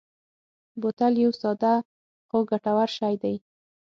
بوتل یو ساده خو ګټور شی دی.